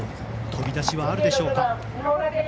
飛び出しはあるでしょうか。